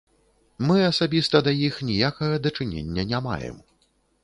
Мы асабіста да іх ніякага дачынення не маем.